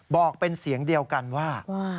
บอกเป็นเสียงเดียวกันว่า